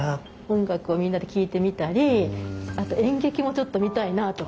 音楽をみんなで聴いてみたりあと演劇もちょっと見たいなと。